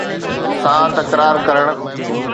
سان تڪرار ڪرڻ